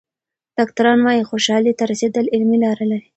ډاکټران وايي خوشحالۍ ته رسېدل علمي لاره لري.